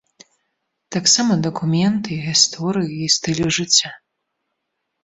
Таксама дакумент і гісторыі, і стылю жыцця.